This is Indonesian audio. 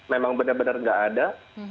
memang benar benar nggak ada